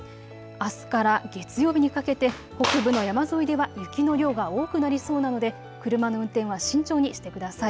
あすから月曜日にかけて北部の山沿いでは雪の量が多くなりそうなので車の運転は慎重にしてください。